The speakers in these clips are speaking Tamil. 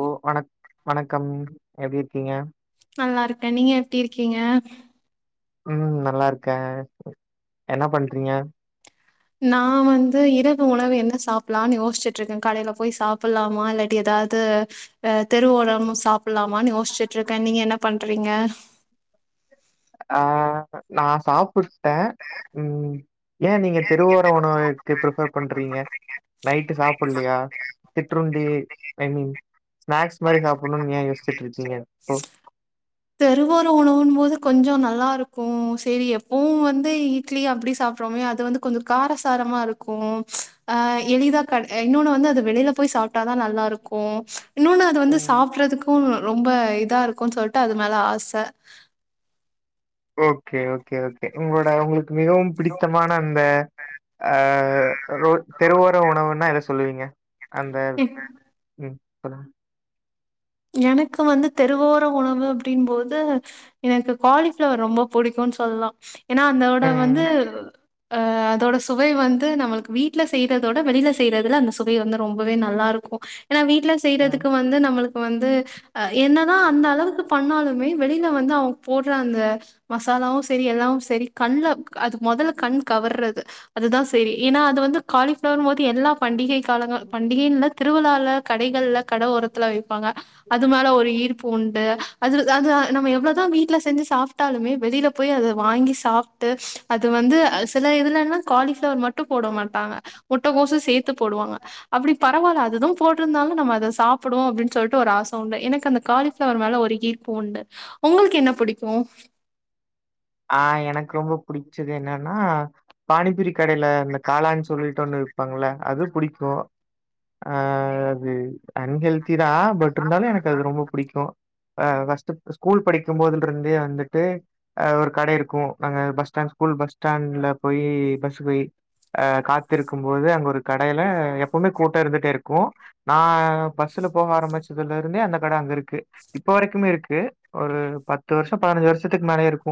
ஓ வணக் வணக்கம் எப்டிருங்கிங்க நல்லாருக்க நீங்க எப்டி இருக்கிங்க ம் நல்லார்க்க என்ன பண்றிங்க நா வந்து இரவு உணவு என்ன சாப்லான்னு யோஸ்சிட்ருக்க கடையில போய் சாப்புல்லாமா இல்லாட்டி எதாது து தெருவோரம் சாப்புல்லாமானு யோஸ்சிட்ருக்க நீங்க என்ன பண்றிங்க ஆ நா சாப்புட்டே ம் ஏ நீங்க தெருவோர உணவ எடுத்து பிரிப்பர் பண்றீங்க நைட்டு சாப்புல்லயா சிற்றுண்டி ஐ மீன் ஸ்நாக்ஸ் மாரி சாப்புன்னுன் ஏ யோஸ்சிட்ருக்கீங்க தெருவோர உணவுன்போது கொஞ்சோ நல்லா இருக்கு சேரி எப்பவு வந்து இட் லி அப்டி சாப்ரோமே அது வந்து கொஞ்சோ காரசாரமா இருக்கு அ எளிதா க இன்னோன்னு வந்து அது வெளில போய் சாப் ட்டாதா நல்லா இருக்கு இன்னொன்னு அது வந்து ம் சாப்புரதுக்கு ரொம்ப இதா இருக்குன் சொல் ட்டு அது மேல ஆச ஓகே ஓகே ஓகே உங்களோட உங்களுக்கு மிகவும் பிடித்தமான அந்த ஆ ரொ தெருவோர உணவுன்னா எத சொல்லுவீங்க அந்த ம் [unintelligible] எனக்கு வந்து தெருவோர உணவு அப்டின் போது எனக்கு காலிஃப்ளவர் ரொம்ப பிடிக்குன் சொல்லலா ஏன்னா அந்தோட ம் வந்து ஆ அதோட சுவை வந்து நம்மளுக்கு வீட்ல செய்றதோட வெளில செய்றதுல அந்த சுவை வந்து ரொம்பவே நல்லா இருக்கு ஏன்னா வீட்ல ம் செய்றதுக்கு வந்து நம்மளுக்கு வந்து அ என்னதா அந்த அளவுக்கு பண்ணாலுமே வெளில வந்து அவங் போட்றாங்க மசாலாவு செரி எல்லாமு செரி கண்ல அது மொதல்ல கண் கவர்றது அதுதா சேரி ஏனா அது வந்து காலிஃப்ளருன்போது எல்லா பண்டிகை காலங்கள் பண்டிகைன்னு இல்ல திருவிழால கடைகள்ல கட ஓரத்துல வெப் அது மேல ஒரு ஈர்ப்பு உண்டு அதுல அது நம்ம எவ்ளோதா வீட்ல செஞ்சு சாப்ட்டாலுமே வெளில போய் அத வாங்கி சாப் ட்டு அது வந்து அ சில இதுலல்லா காலிஃபளவர் மட்டு போட மாட்டாங்க முட்டகோசு சேத்து போடுவாங்க அப்படி பரவால்ல அதுதூ போட்ருந்தாலு நம்ம அத சாப்புடுவோ அப்டின் சொல்ட்டு ஒரு ஆச உண்டு எனக்கு அந்த காலிஃபிளவர் மேல ஒரு கீர்பூண்டு உங்களுக்கு என்ன புடிக்கு ஆ எனக்கு ரொம்ப புடிச்சது என்னன்னா பானிப்பூரி கடையில அந்த காளான் சொல்லீ ட் ஒன்னு விப்பாங்கள அது புடிக்கு அ அது அன்ஹெல்த் திதா பட் இருந்தாலு எனக்கு அது ரொம்ப புடிக்கு ஆ ஃபர்ஸ்ட்டு ஸ்கூல் படிக்கும் போதுல்ருந்தே வந்துட்டு அ ஒரு கடை இருக்கு நாங்க பஸ் ஸ்டாண்ட் ஸ்கூல் பஸ் ஸ்டாண்ட்ல போய் பஸ்க்கு வெயி ஆ காத்திருக்கும் போது அங்க ஒரு கடையில எப்பவுமே கூட்டோ இருந்துட்டே இருக் கு நா பஸ்ல போக ஆரம்பிச்சதுல இருந்தே அந்த கட அங்க இருக்கு இப்ப வரைக்குமே இருக்கு ஒரு பத்து வருஷ பதினஞ்சு வருஷத்துக்கு மேலயே இருக் கு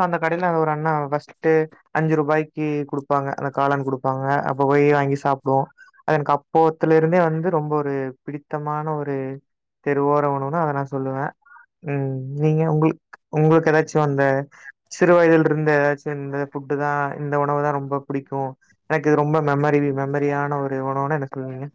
[unintelligible] அந்த கடையில ஒரு அண்ணா வஸ்ட்டு அஞ்சு ரூபாய்க்கு குடுப்பாங்க அந்த காளான் குடுப்பாங்க அப்ப போய் வாங்கி சாப்புடுவோ அதன் அப்போத்துல இருந்தே வந்து ரொம்ப ஒரு பிடித்தமான ஒரு தெருவோர உணவுன்னா அத நா சொல்லுவ ம் நீங்க உங்களுக்கு உங்களுக்கு எதாச்சு அந்த சிறு வயதில்ருந்து எதாச்சு இந்த புட்டு தா இந்த உணவு தா ரொம்ப பிடிக்கு எனக்கு இது ரொம்ப மெமரி மெமரியான ஒரு உணவுன்னா என்ன சொல்லுவீங்க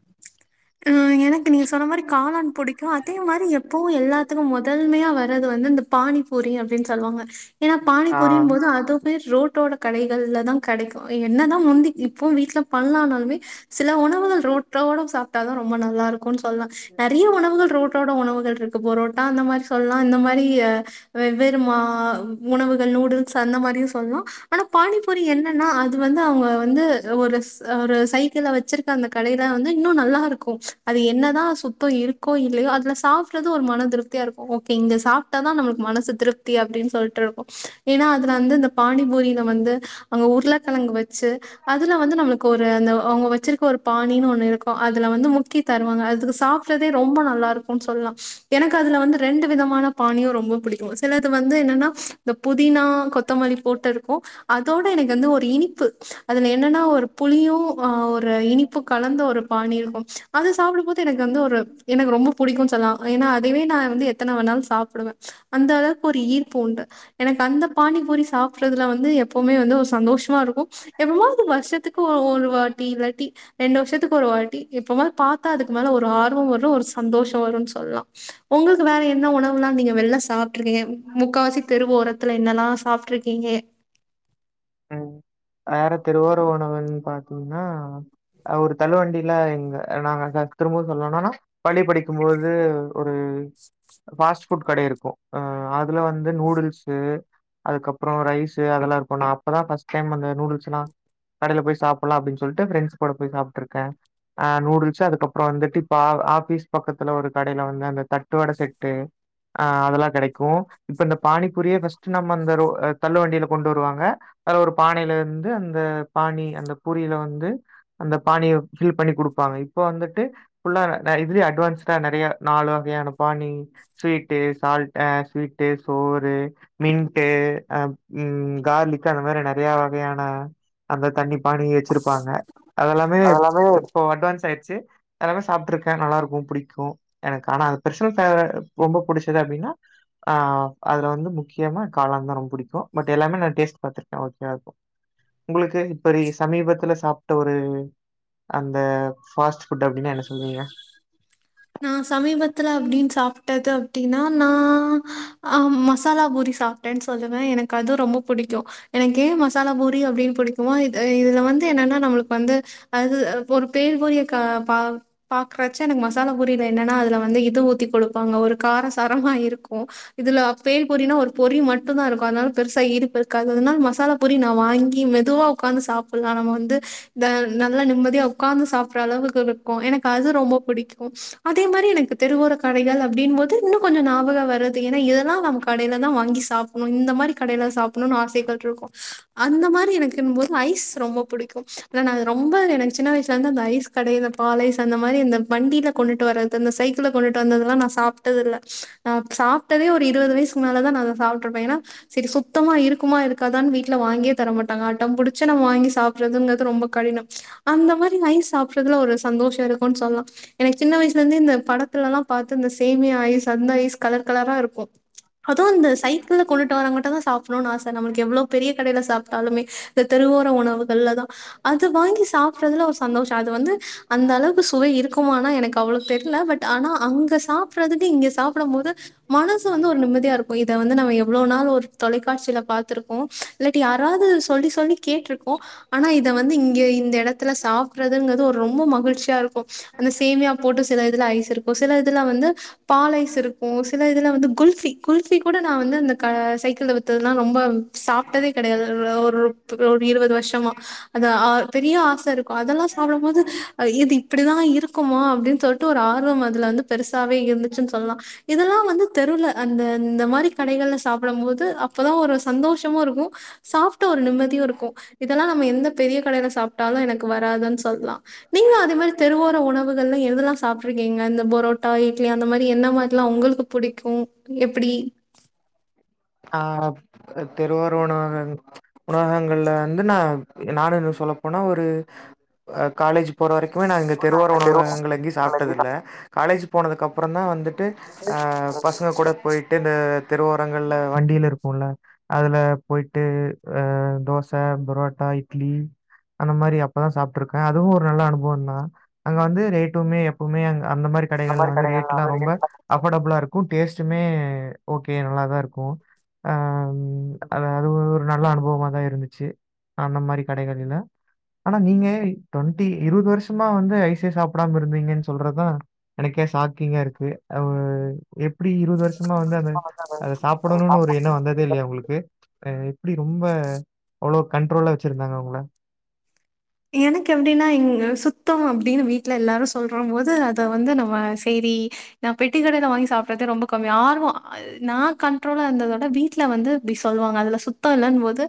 ஆ எனக்கு நீங்க சொன்ன மாரி காளான் பிடிக்கு அதே மாரி எப்பவு எல்லாத்துக்கு முதல்மையா வ அதாது வந்து இந்த பானிபூரி அப்டின் சொல்லுவாங்க ஏன்னா ஆ பானிபூரியின் போது அது ரோட்டோட கடைகள்ல தா கடைக்கு என்னதா முந்தி இப்பவு வீட்ல பண்லானாலுமே சில உணவுகள் ரோட்டோரோ சாப் ட்டாதா ரொம்ப நல்லா இருக்குன் சொல்லலா நறைய உணவுகள் ரோட்டோட உணவுகள்ருக் பொரோட்டா அந்த மாரி சொல்லா இந்த மாரி வெவ்வேறு மா உணவுகள் நூடுல்ஸ் அந்த மாரியு சொல்லா ஆனா பானி பூரி என்னன்னா அது வந்து அவுங்க வந்து ஒரு ஒரு சைக்கிள வச்சிருக்க அந்த கடைல வந்து இன்னு நல்லா இருக்கு அது என்னதா சுத்தோ இருக்கோ இல்லயோ அதுல சாப்றது து ஒரு மன திருப்தியா இருக்கு ஓகே இங்க சாப்ட்ட தா நமளுக்கு மனசு திருப்தி அப்டின் சொல்ட்ருக்கு ஏனா அதுல வந்து அந்த பானிபூரில வந்து அங்க உருளக்கெழங்கு வச்சு அதுல வந்து நம்மளுக்கு ஒரு அந்த அவுங்க வச்சுருக்க ஒரு பானின் ஒண்ணு இருக்கு அது அதுல வந்து முக்கி தருவாங்க அதுக்கு சாப்பற்றதே ரொம்ப நல்லாருக் குன் சொல்லா எனக்கு அதுல வந்து ரெண்டு விதமான பானியு ரொம்ப புடி க்கு சிலது வந்து என்னன்னா இந்த புதினா கொத்தமல்லி போட்டு இருக்கு அதோட எனக்கு வந்து ஒரு இனிப்பு அதுல என்னன்னா ஒரு புளியு அ ஒரு இனிப்பு கலந்த ஒரு பானி இரு அது சாப்டம் போது எனக்கு வந்து ஒரு எனக்கு ரொம்ப புடிக்குன் சொல்லா ஏனா அதுவே நா வந்து எத்தன வேணாலு சாப்டுவே அந்த அளவுக்கு ஒரு ஈர்ப்பு உண்டு எனக்கு அந்த பானிபூரி சாப்பற்றதுல வந்து எப்பவுமே வந்து ஒரு சந்தோஷமா இருக்கு எப்பமாது வருஷத்துக் கு ஒருவாட்டி இல்லாட்டி ரெண்டு வருஷத்துக்கு ஒரு வாட்டி எப்பமாது பாத்தா அதுக்கு மேல ஒரு ஆர்வ வரு ஒரு சந்தோஷம் வருன் சொல்லா ஒங்களுக்கு வேற என்ன உணவலா நீங்க வெள்ல சாப்ட்ருக்கீங்க முக்காவாசி தெருவோர த்துல என்னல்லா சாப்ட்ருக்கீங்க ம் வேற தெருவோர உணவுன் பாத்தோனா அ ஒரு தள்ளுவண்டில எங்க நாங்க க திரும்பவு சொல்வோ என்னானா பள்ளி படிக்கும்போது ஒரு ஃபாஸ்ட் ஃபுட் கட இருக்கு அ அதுல வந்து நூடுல்ஸு அதுக்கப்பறோ ரைஸு அதல்லா இருக்கு நா அப்பதா ஃபர்ஸ்ட் டைம் நா அந்த நூடுல்ஸ்ஸலா கடேல போய் சாப்பல்லா அப்டின் சொல்ட்டு ஃரெண்ட்ஸ் கூட போய் சாப்ட்ருக்கே அ நூடுல்ஸ்ஸு அதுக்கப்பறோ வந்துட்டு பால் ஆஃபீஸ் பக்கத்துல ஒரு கடேல வந்து அந்த தட்டு வட செட்டு அ அதல்லா கெடைக்கு இப்ப இந்த பானிபூரியே ஃபஸ்ட்டு நம்ம அந்த ரோ தள்ள வண்டில கொண்டு வருவாங்க அது ஒரு பானைல இருந்து அந்த பானி அந்த பூரில வந்து அந்த பானிய ஃபில் பண்ணி குடுப்பாங்க இப்ப வந்துட்டு ஃபுல்லா அ இதுலயே அட்வான்ஸ்டா நெறைய நாலு வகையான பானி ஸ்வீட்டு சால்டு அ ஸ்வீட்டு சோறு மின்ட்டு அ ம் கார்லிக் அந்த மாரி நெறையா வகையான அந்த தண்ணி பானி வச்சிருப்பாங்க அதெல்லாமே இப்போ அட்வான்ஸாயிடுச்சு அதல்லா சாப்ட்ருக்கே நல்லாருக்கு புடிக்கு எனக்கு ஆனா அது பெர்சனல் ஃபேவ ரொம்ப புடுச்சது அப்டினா ஆ அதுல வந்து முக்கியமா காளான்ந்தா ரொம்ப புடிக்கு பட் எல்லாமே நா டேஸ்ட் பாத்துருக்கே ஓகேவா இருக்கு ஒங்களுக்கு இப்ப ரீ சமீபத்துல சாப்ட்ட ஒரு அந்த ஃபாஸ்ட்டு ஃபுட்டு அப்டினா என்ன சொல்வீங்க நா சமீபத்துல அப்டின் சாப்ட்டது அப்டினா நா ஆ மசாலா பூரி சா ப்டேன் சொல்லுவே எனக்கு அது ரொம்ப புடிக்கு எனக்கு ஏ மசாலா பூரி அப்டின் புடிக்குமா இது இதுல வந்து என்னான்னா நம்மளுக்கு வந்து அது ஒரு பேல்பூரிய க பா பாக்குறச்ச எனக்கு மசா மசால பூரில என்னான்னா அதுல வந்து இது ஊத்தி குடுப்பாங்க ஒரு காரசாரமா இருக்கு இதுல பேல்பூரினா ஒரு பொறி மட்டுந்தா இருக்கு அதுனால பெருசா ஈர்ப்பு இருக்காது அதுனால மசாலா பூரி நா வாங்கி மெதுவா உக்காந்து சாப்பல்லா நம்ம வந்து த நல்ல நிம்மதியா உக்காந்து சாப்பற்ற அளவுக்கு இரு க்கு எனக்கு அது ரொம்ப புடிக்கு அதே மாதிரி எனக்கு தெருவோர கடைகள் அப்டின் போது இன்னு கொஞ்ச ஞாபக வருது ஏன்னா இதெல்லா நமக்கு கடையில தா வாங்கி சாப்டணு இந்த மாதிரி கடைல சாப்டணும்னு ஆசைகள் இருக்கும் அந்த மாதிரி இருக்குன் போது ஐஸ் ரொம்ப புடிக்கும்ன் ஏன்னா நாங்க ரொம்ப எனக்கு சின்ன வயசுல இருந்து அந்த ஐஸ் கடையில பால்ஸ் அந்த மாதிரி இந்த வண்டியில கொண்டுட்டு வரது இந்த சைக்கிள கொண்டுட்டு வந்ததல்லா நா சாப்பட்டதுல்ல நா சாப்ட்டதே ஒரு இருபது வயசு மோலதா நா அத சாப்ட்டு இருப்ப ஏன்னா சரி சுத்தமா இருக்குமா இருக்காதான்னு வீட்டுல வாங்கியே தர மாட்டாங்க அடம் புடிச்சி நம்ம வாங்கி சாப்ப சாப்புத்துறன்னு ரொம்ப கடின அந்த மாதிரி ஐஸ் சாப்பறதுல ஒரு சந்தோஷ இருக்கும்ன்னு சொல்லா எனக்கு சின்ன வயசுல இருந்தே இந்த படத்துல எல்லா பார்த்து இந்த சேமியா ஐஸ் அந்த ஐஸ் கலர் கலரா இருக்கும் அதுவும் இந்த சைக்கிள்ல கொண்டுட்டு வர்றங்கிட்ட தா சாப்டணும்னு ஆசை நம்மளுக்கு எவ்வளோ பெரிய கடையில சாப்ட்டாலுமே இந்த தெருவோர உணவுகள் அதா அது வாங்கி சாப்படுறதுல ஒரு சந்தோஷ அது வந்து அந்த அளவு சுவை இருக்கும் இருக்குமான்னா எனக்கு அவ்வள தெரில பட் ஆனா அங்க சாப்டுறதுக்கு இங்க சாப்புடும் போது மனசு வந்து ஒரு நிம்மதியா இருக்கும் இத வந்து நம்ம எவ்ளோ நாள் ஒரு தொலைக்காட்சியில பாத்துருக்கோ இல்லாட்டி யாராவது சொல்லி சொல்லி கேட்டிருக்கோ ஆனா இத வந்து இங்க இந்த இடத்துல சாப்றதுங்கறது ஒரு ரொம்ப மகிழ்ச்சியா இருக்கும் இந்த சேமியா போட்டு சில இதுல ஐசு இருக்கும் சில இதுல வந்து பாலைஸ் இருக்கும் சில இதுல வந்து குல்பி குல்ஃபி கூட நா வந்து அந்த சைக்கிள் வ அதுன்னா ரொம்ப சாப்ட்டதே கிடையாது ஒரு இருபது வருஷமா அது பெரிய ஆசை இருக்கும் அதெல்லா சாப்டும் போது இது இப்டிதான் இரு இருக்குமா அப்டின்னு சொல்லிட்டு ஒரு ஆர்வம் அதுல வந்து பெருசாவே இருந்துச்சுன்னு சொல்லலா இதெல்லா வந்து தெருள அந்த இந்தந்த மாதிரி கடைகள்ல சாப்டும் போது அப்பதா ஒரு சந்தோஷமும் இருக்கும் சாப்ட்ட ஒரு நிம்மதியும் இருக்கும் இதெல்லாம் நம்ம எந்த பெரிய கடையில சாப்பிட்டாலும் எனக்கு வராதுன்னு சொல்ல எல்லாம் நீங்க அதே மாதிரி தெருவோற உணவு கள்ாம் எதெல்லா சாப்ட்டு இருக்கீங்க இந்த பொரோட்டா இட்லி அந்த மாதிரி என்ன மாதிரில்லா உங்களுக்கு புடிக்கும் எப்டி ஆ தெருவார உணவக உணவகங்கள்ல வந்து நா நானு இன்னோ சொல்லப்போனா ஒரு காலேஜ் போற வரைக்குமே நா இங்க தெருவோர உணவகங்கள் எங்கி சாப்ட்டது இல்ல காலேஜ் போனதுக்கு அப்பற தா வந்து வந்துட்டு அ பசங்க கூட போயிட்டு தெருவோரங்கள்ல வண்டியில இருக்கும்ல அதுல போயிட்டு அ தோச பரோட்டா இட்லி அந்த மாதிரி அப்பதா சாப்ட்டு இருக்க அதுவும் ஒரு நல்ல அனுபவம்னா அங்க வந்து ரேட்டுமே உண்மையாவ அ அந்த மாதிரி கடைகள்ல வந்து ரேட்லா ரொம்ப அஃபர்டபுளா இருக்கும் டேஸ்ட்டுமே ஓகே நல்லா தா இருக்கும் அ அது அது ஒரு நல்ல அனுபவமா தா இருந்துச்சு அந்த மாதிரி கடைகள்ல ஆனா நீங்க டுவெண்ட்டி இருபது வருஷமா வந்து ஐசே சாப்டாம இருந்தீங்கன்னு சொல்றதா எனக்கே சாக்கிங்கா எப்டி இருபது வருஷமா வந்து அத சாப்ப வந்ததே இல்லயா உங்களுக்கு எப்டி ரொம்ப அவ்ளோ கண்ட்ரோல வச்சிருந்தாங்க உங்கள எனக்கு எப்டின்னா இங்க சுத்த அப்டின்னு வீட்டு்ல எல்லாரு சொல்ற போது அத வந்து நம்ம சேரி நா பெட்டி கடைையில வாங்கி சாப்றதே ரொம்ப கம்மி ஆர்வ நான் கண்ட்ரோலா இருந்ததோட வீட்டுல வந்து இப்டி சொல்லுவாங்க அதுல சுத்த இல்லன்னு போது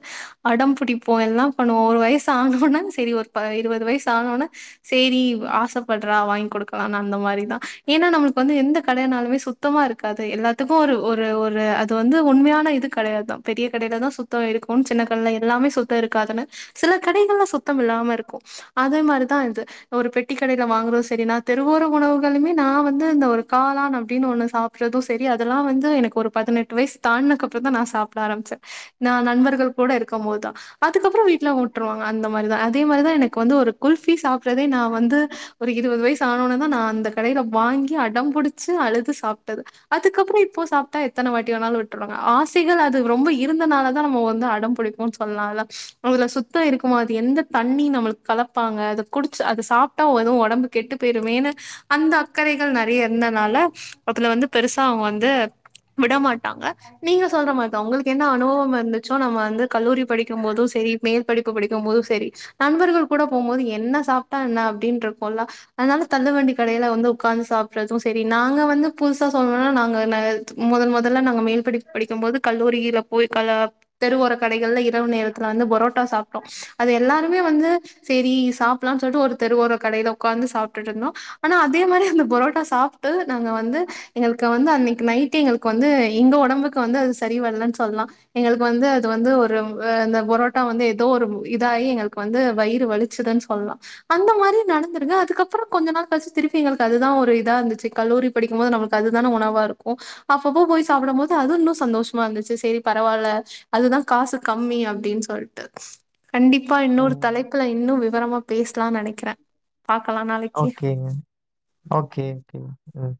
அடம் பிடிப்போம் எல்லா பண்ணுவோ ஒரு வயசு ஆன்னோன்ன சரி ஒரு இருபது வயசு ஆன்னோன்னே சரி ஆசைப்படுறா வாங்கி கொடுக்கலாம்னு அந்த மாதிரிதா ஏன்னா நம்மளுக்கு வந்து எந்த கடையனாலுமே சு சுத்தமா இருக்காது எல்லாத்துக்கும் ஒரு ஒரு ஒரு அது வந்து உண்மையான இது கடையாது தா பெரிய கடையில தா சுத்த சுத்தம் இருக்கும் சின்ன கடையில எல்லாமே சுத்தம் இருக்காதுண்ணு சில கடைகள்ல சுத்தம் இல்லாம இருக்கும் அதே மாதிரிதா இது ஒரு பெட்ட கடையில வாங்குறோ சரி நா தெருவோர உணவுகளுமே நா வந்து இந்த ஒரு காளான் அப்டின்னு ஒண்ணு சாப் சப்புறது சேரி அதெல்லா வந்து எனக்கு ஒரு பதினெட்டு வயசு தான்னதுக்கு அப்றம் தா நா சாப்ட ஆரம்பிச்சே நா நண்பர்கள் கூட இருக்கு போதுதா அதுக்கப்பறோ வீட்ல விட்றோ மாரி தா அதே மாரிதா எனக்கு வந்து ஒரு குல்பி சாப்பிறதே நா வந்து ஒரு இருவது வயசு ஆனோனதா நான் அந்த கடையில வாங்கி அடம் பிடிச்சு அழுது சாப்டது அதுக்கப்றோ இப்போ சாப் டா எத்தன வாட்டி வேணாலு விட்டுவாங்க ஆசைகள் அது ரொம்ப இருந்தனால தா நம்ம வந்து அடம் பிடிக்கு சொல்லலால அதுல சுத்தோ இருக்குமா அது எந்த தண்ணி நம்மளுக்கு கலப்பாங்க அத குடிச் அத சாப் ட்டா எது ஒடம்பு கெட்டு போயிருமேன்னு அந்த அக்கறைகள் நெறைய இருந்தனால அதுல வந்து பெருசா அவுங்க வந்து விடமாட்டாங்க நீங்க சொல்ற மாரிதா உங்களுக்கு என்ன அனுபவம் இருந்துச்சோ நம்ம வந்து கல்லூரி படிக்கு போது சேரி மேல் படிப்பு படிக் போது சேரி நண்பர்கள் கூட போகுபோது என்ன சாப்டா என்ன அப்டினு இருக்கும்ல்ல அதனால தள்ளு வண்டி கடையில வந்து உட்கார்ந்து சாப்புறது சேரி நாங்க வந்து புதுசா சொல்லனும்னா நாங்க முதல் முதல்ல நாங்க மேல் படி படிக்கு போது கல்லூரியில போய் கல தெருஓர கடைகள்ல இரவு நேரத்துல வந்து புரோட்டா சாப்டோ அது எல்லாருமே வந்து சேரி சாப்டலாம்னு சொல்லிட்டு ஒரு தெரு ஓர கடையில உட்காந்து சாப்ட்டு இருந்தோ ஆனா அது அதே மாரி அந்த புரோட்டா சாப்டு நாங்க வந்து எங்களுக்கு வந்து அன்னைக்கு நைட் எங்களுக்கு வந் வந்து எங்க ஒடம்புக்கு வந்து அது சரி வரலன்னு சொல்லலா எங்களுக்கு வந்து அது வந்து ஒரு ஆ இந்த புரோட்டா வந்து ஏதோ ஒரு இதாயி எங்களுக்கு வந்து வயிறு வலிச்சுதுன்னு சொல்லலா அந்த மாரி நடந்துருக்கு அதுக்கப்றோ கொஞ்ச நாள் கழிச்சு திருப்பி எங்களுக்கு அதுதா ஒரு இதா இருந்துச்சு கல்லூரி படிக்குபோது நமக்கு அதுதான உணவா இருக்கு அப்பப்ப போய் சாப்டும் போது அதுவு இன்னோ சந்தோஷமா இருந்துச்சு சேரி பரவாயில்ல அதுதா காசு கம்மி அப்டின்னு சொல்லிட்டு கண்டிப்பா இன்னொரு ம். தலைப்புல இன்னு விவரமா பேசலாம்னு நெனைக்கிறே பாக்கலா நாளைக் ஓகேங்க ஓகே ஓகே ம்